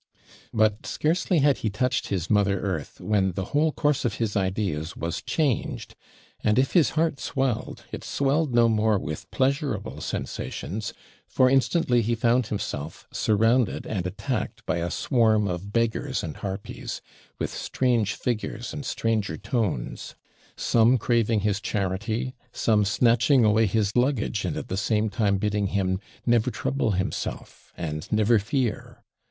But scarcely had he touched his mother earth, when the whole course of his ideas was changed; and if his heart swelled, it swelled no more with pleasurable sensations, for instantly he found himself surrounded and attacked by a swarm of beggars and harpies, with strange figures and stranger tones: some craving his charity, some snatching away his luggage, and at the same time bidding him 'never trouble himself,' and 'never fear.'